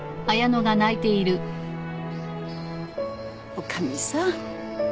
女将さん